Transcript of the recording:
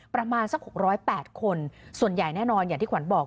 ประมาณสัก๖๐๘คนส่วนใหญ่แน่นอนอย่างที่ขวัญบอก